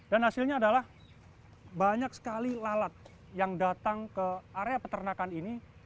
dan hasilnya adalah banyak sekali lalat yang datang ke area peternakan ini